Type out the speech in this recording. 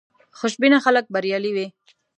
خوشبینه خلک بریالي وي.